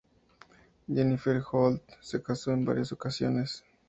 Jennifer Holt se casó en varias ocasiones.